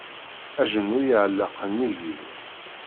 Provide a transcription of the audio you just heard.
Ajenwi iεelleq nnig-iw.